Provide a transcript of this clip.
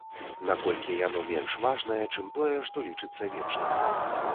Наколькі яно менш важнае чым тое, што лічыцца вечным.